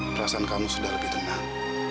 perasaan kamu sudah lebih tenang